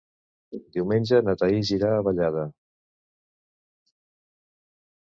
Diumenge na Thaís irà a Vallada.